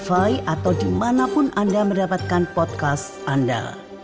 semoga berhasil dan anda mendapatkan podcast anda